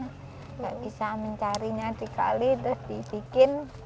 nggak bisa mencarinya sekali terus dibikin